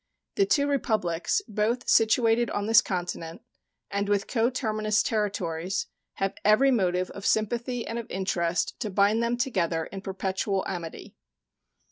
The two Republics, both situated on this continent, and with coterminous territories, have every motive of sympathy and of interest to bind them together in perpetual amity.